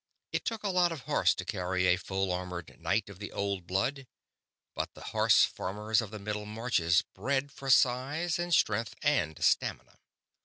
It took a lot of horse to carry a full armored knight of the Old Blood, but the horse farmers of the Middle Marches bred for size and strength and stamina.